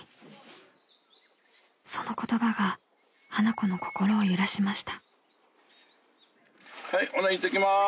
［その言葉が花子の心を揺らしました］